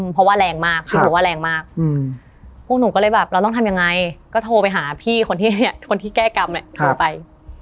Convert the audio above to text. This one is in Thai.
เพราะว่าแรงมากพี่บอกว่าแรงมากพวกหนูก็เลยแบบเราต้องทำยังไงก็โทรไปหาพี่คนที่เนี่ยคนที่แก้กรรมเนี่ยโทรไป